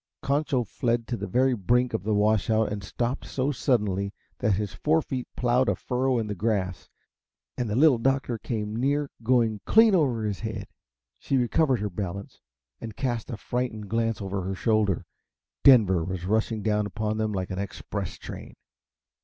Concho fled to the very brink of the washout and stopped so suddenly that his forefeet plowed a furrow in the grass, and the Little Doctor came near going clean over his head. She recovered her balance, and cast a frightened glance over her shoulder; Denver was rushing down upon them like an express train.